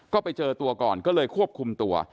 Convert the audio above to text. ก็ไปเจอตัวก่อนก็เลยควบคุมตัว